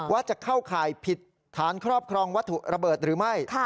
ว่าจะเข้าข่ายผิดฐานครอบครองวัตถุระเบิดหรือไม่